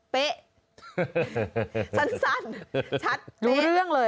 เป๊ะสันชัดเป๊ะ